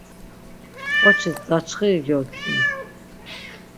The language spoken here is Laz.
K̆oçis daçxiri gyodzin.